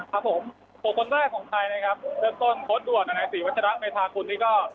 ครับผมหกคนแรกของไทยนะครับเดินต้นโทษด่วนในสี่วัฒนธรรมในภาคคุณที่ก็